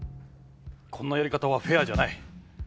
こんなやり方はフェアじゃない！